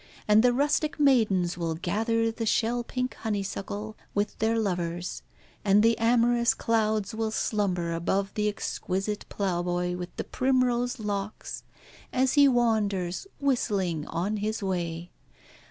And the rustic maidens will gather the shell pink honeysuckle with their lovers, and the amorous clouds will slumber above the exquisite plough boy with his primrose locks, as he wanders, whistling, on his way.